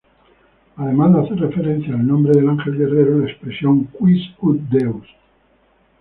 Además de hacer referencia al nombre del ángel guerrero, la expresión "Quis ut Deus?